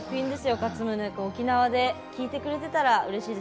かつむね君沖縄で聞いてくれてたらうれしいです。